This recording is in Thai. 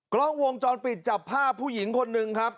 กล้องวงจรปิดจับภาพผู้หญิงคนหนึ่งครับ